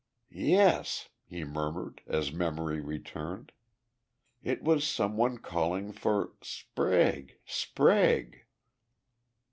"Yes," he murmured, as memory returned, "it was some one calling for 'Sprague Sprague!'"